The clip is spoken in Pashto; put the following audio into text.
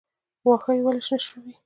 واښه ولې شنه وي؟